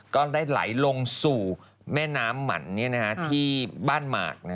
ก็ได้ไหลลงสู่แม่น้ำมันที่บ้านหมาก